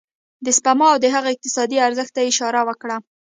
د سپما او د هغه اقتصادي ارزښت ته يې اشاره وکړه.